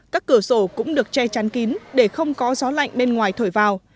các cửa sổ cũng được che chắn kín để không có gió lạnh bên ngoài thổi vào